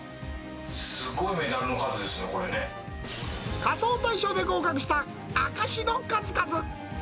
すごいメダルの数ですよ、仮装大賞で合格した証しの数々。